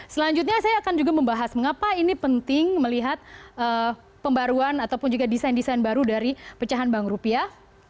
selanjutnya saya akan juga membahas mengapa ini penting melihat pembaruan ataupun juga desain desain baru dari pecahan bank rupiah